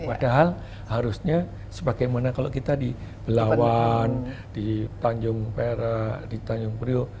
padahal harusnya sebagaimana kalau kita di belawan di tanjung perak di tanjung priok